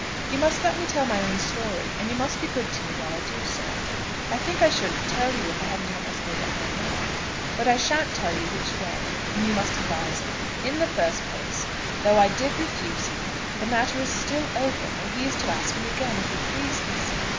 "You must let me tell my own story, and you must be good to me while I do so. I think I shouldn't tell you if I hadn't almost made up my mind; but I shan't tell you which way, and you must advise me. In the first place, though I did refuse him, the matter is still open, and he is to ask me again, if he pleases."